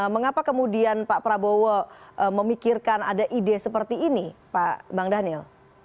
mengapa kemudian pak prabowo memikirkan ada ide seperti ini pak bang daniel